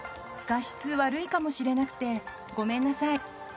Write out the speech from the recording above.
画質悪いかもしれなくてごめんなさい。